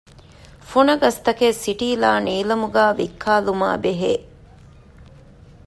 ފުނަގަސްތަކެއް ސިޓީލާ ނީލަމުގައި ވިއްކާލުމާއިބެހޭ